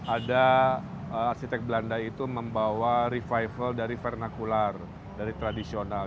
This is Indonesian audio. ada arsitek belanda itu membawa revival dari fernakular dari tradisional